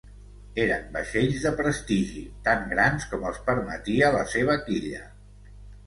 Eren vaixells de prestigi, tan grans com els permetia la seva quilla.